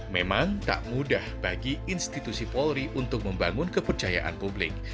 memang tak mudah bagi institusi polri untuk membangun kepercayaan publik